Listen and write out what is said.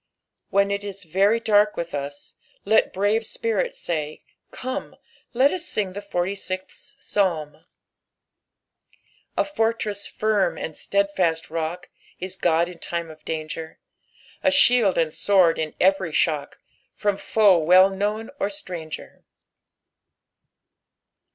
When it is veiy dark with us, let brave spirits say, "Come, let us sing the forty sistli Psalm," " A fortreu Shd, and nieidfist rorb. Is Oixl |p lime of danfccr ; A ihleld and Bword in every shock. From toe well known or stnng;er."